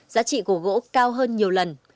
giá trị của gỗ cao hơn nhiều lần